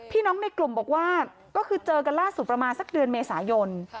ในกลุ่มบอกว่าก็คือเจอกันล่าสุดประมาณสักเดือนเมษายน